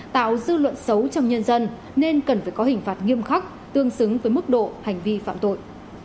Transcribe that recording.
tạo dư luận xấu trong nhân dân nên cần phải có hình phạt nghiêm khắc tương xứng với mức độ hành vi phạm tội